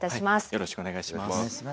よろしくお願いします。